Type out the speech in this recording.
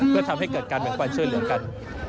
เพื่อทำให้เกิดการแบ่งปันช่วยเหลือกัน